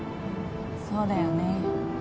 そうだよね